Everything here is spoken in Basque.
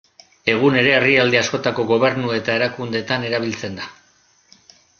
Egun ere herrialde askotako gobernu eta erakundeetan erabiltzen da.